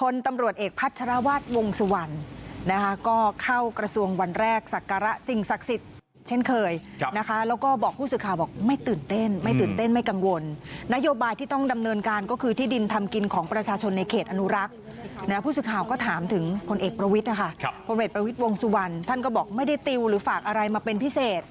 ผลเอกประวิทย์วงสุวรรณท่านก็บอกไม่ได้ติวหรือฝากอะไรมาเป็นพิเศษ